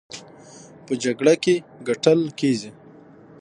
په جګړه کې ګټل کېږي،